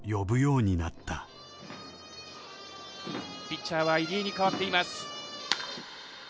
ピッチャーは入江に代わっています。